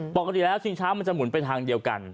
ปกติแล้วชิงช้ามันจะหมุนไปทางเดียวกัน